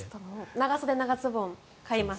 長袖・長ズボン買います。